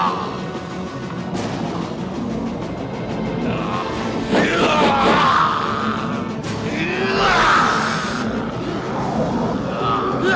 wah eh jangan senang senang dulu ya